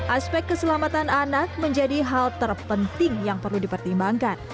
aspek keselamatan anak menjadi hal terpenting yang perlu dipertimbangkan